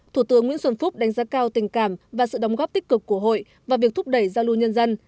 thủ tướng nguyễn xuân phúc đánh giá cao tình cảm và sự đóng góp tích cực của hội vào việc thúc đẩy giao lưu nhân dân